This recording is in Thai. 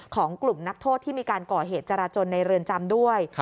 ของกลุ่มนักโทษที่มีการก่อเหตุจราจนในเรือนจำด้วย